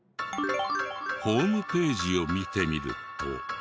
ホームページを見てみると。